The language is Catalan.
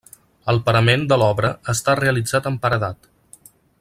El parament de l'obra està realitzat amb paredat.